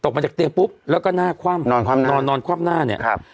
มาจากเตียงปุ๊บแล้วก็หน้าคว่ำนอนคว่ำหน้านอนนอนคว่ำหน้าเนี่ยครับ